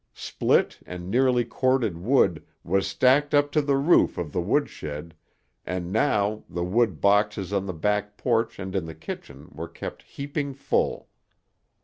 Split and neatly corded wood was stacked up to the roof of the woodshed and now the wood boxes on the back porch and in the kitchen were kept heaping full.